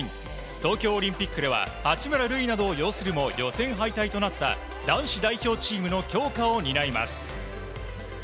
東京オリンピックでは八村塁などを擁するも予選敗退となった男子代表チームの強化を担います。